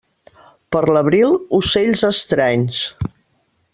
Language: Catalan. Per l'abril, ocells estranys.